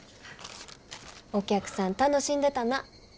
お客さん楽しんでたな。